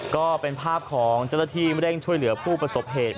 ก็เป็นภาพของเจ้าหน้าที่เร่งช่วยเหลือผู้ประสบเหตุ